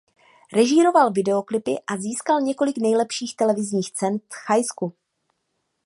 Režíroval videoklipy a získal několik nejlepších televizních cen v Thajsku.